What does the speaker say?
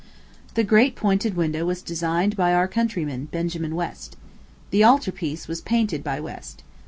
The great pointed window was designed by our countryman, Benjamin West. The altar piece was painted by West.